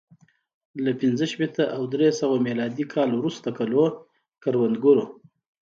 له پنځه شپېته او درې سوه میلادي کال وروسته کلو کروندګرو